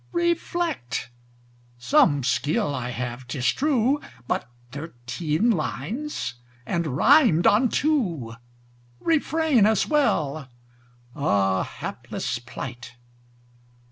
Reflect. Some skill I have, 'tis true; But thirteen lines! and rimed on two! "Refrain" as well. Ah, Hapless plight!